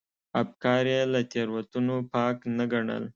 افکار یې له تېروتنو پاک نه ګڼل.